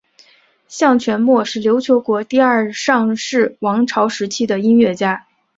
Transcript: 向全谟是琉球国第二尚氏王朝时期的音乐家。